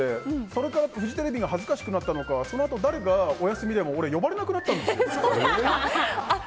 それからフジテレビが恥ずかしくなったのかそのあと、誰がお休みでも俺、呼ばれなくなったんですよ。